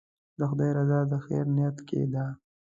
د خدای رضا د خیر نیت کې ده.